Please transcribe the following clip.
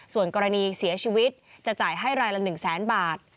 ส่วนกรณีเสียชีวิตจะจ่ายให้รายละ๑แสนบาท